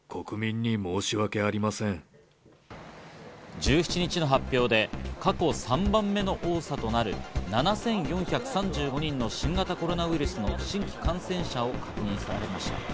１７日の発表で過去３番目の多さとなる７４３５人の新型コロナウイルスの新規感染者を確認しました。